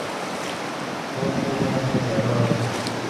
Fue muy buen amigo de Álvaro Obregón.